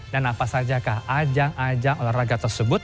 dan apa saja kah ajang ajang olahraga tersebut